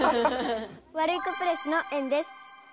ワルイコプレスのえんです。